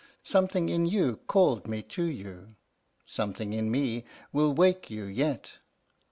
Something in you called me to you, something in me will wake you yet.